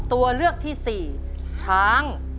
ตัวเลือกที่สี่ช้าง